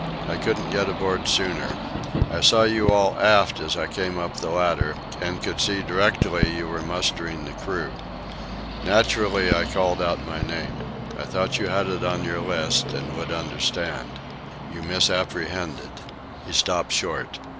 I couldn't get aboard sooner. I saw you all aft as I came up the ladder, and could see directly you were mustering the crew. Naturally I called out my name. I thought you had it on your list, and would understand. You misapprehended." He stopped short.